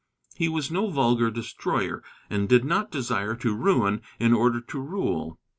He was no vulgar destroyer, and did not desire to ruin in order to rule.